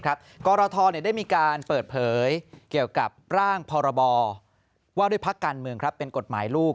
กรทได้มีการเปิดเผยเกี่ยวกับร่างพรบว่าด้วยพักการเมืองเป็นกฎหมายลูก